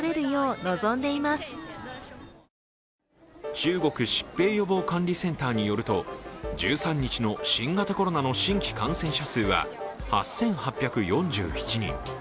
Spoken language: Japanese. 中国疾病予防管理センターによると、１３日の新型コロナの新規感染者数は８８４７人。